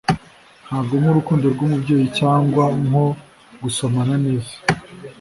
ntabwo nk'urukundo rw'umubyeyi cyangwa nko gusomana neza